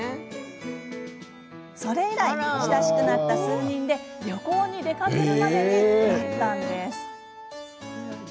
それ以来、親しくなった数人で旅行に出かけるまでになったんです。